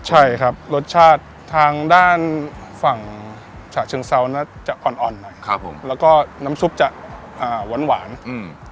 ใช่ครับรสชาติทางด้านฝั่งฉะเชิงเซาน่าจะอ่อนอ่อนหน่อยครับผมแล้วก็น้ำซุปจะอ่าหวานหวานอืม